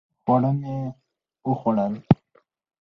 خواړه مې وخوړل